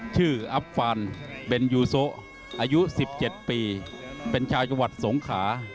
อัฟฟานเบนยูโซอายุ๑๗ปีเป็นชาวจังหวัดสงขา